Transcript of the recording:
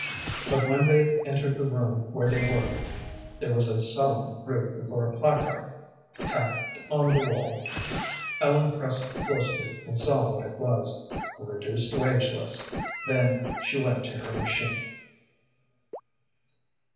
But when they entered the room where they worked, there was a sullen group before a placard tacked on the wall. Ellen pressed closely, and saw what it was a reduced wage list. Then she went to her machine.